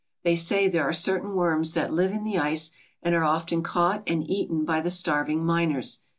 They say there are certain worms that live in the ice and are often caught and eaten by the starving miners.